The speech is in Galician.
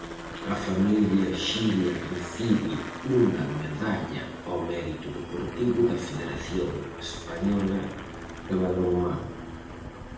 A familia Xiria recibe unha medalla ao mérito deportivo da Federación española de balonmán.